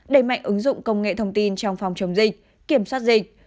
đẩy mạnh ứng dụng công nghệ thông tin trong phòng chống dịch kiểm soát dịch